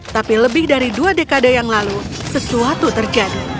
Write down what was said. tapi lebih dari dua dekade yang lalu sesuatu terjadi